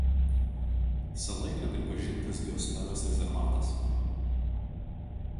Sala yra pripažintas biosferos rezervatas.